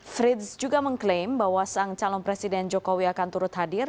frits juga mengklaim bahwa sang calon presiden jokowi akan turut hadir